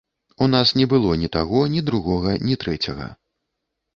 У нас не было ні таго, ні другога, ні трэцяга.